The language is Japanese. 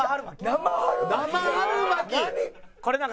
「生春巻き！？何？」